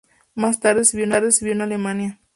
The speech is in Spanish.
Más tarde sirvió en Alemania.